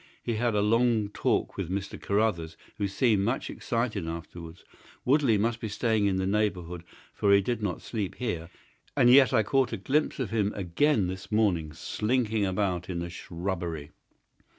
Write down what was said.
He had a long talk with Mr. Carruthers, who seemed much excited afterwards. Woodley must be staying in the neighbourhood, for he did not sleep here, and yet I caught a glimpse of him again this morning slinking about in the shrubbery.